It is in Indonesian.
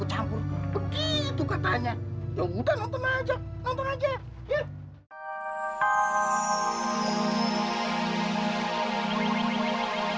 sampai jumpa di video selanjutnya